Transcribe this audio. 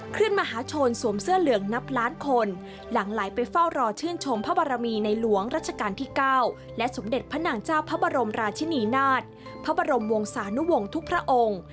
ขึ้นมหาชนสวมเสื้อเหลืองนับล้านคนหลังไหลไปเฝ้ารอชื่นชมพระบารมีในหลวงรัชกาลที่๙และสมเด็จพระนางเจ้าพระบรมราชินีนาฏพระบรมวงศานุวงศ์ทุกพระองค์